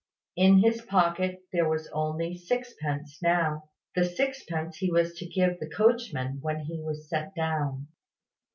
In his pocket there was only sixpence now, the sixpence he was to give the coachman when he was set down.